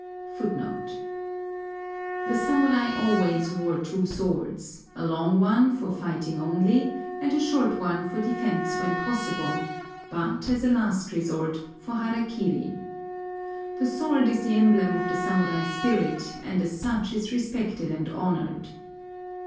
The samurai always wore two swords, a long one for fighting only, and a short one for defense when possible, but, as a last resort, for hara kiri. The sword is the emblem of the samurai spirit, and as such is respected and honored.